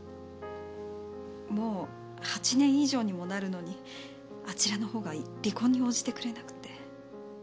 もう８年以上にもなるのにあちらのほうが離婚に応じてくれなくて。